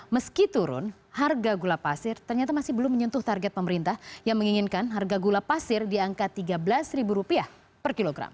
meski turun harga gula pasir ternyata masih belum menyentuh target pemerintah yang menginginkan harga gula pasir di angka tiga belas per kilogram